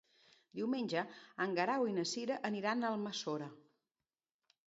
Diumenge en Guerau i na Cira aniran a Almassora.